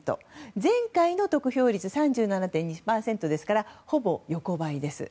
前回の得票率３７．２％ですからほぼ横ばいです。